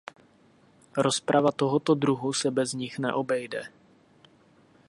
Rozprava tohoto druhu se bez nich neobejde.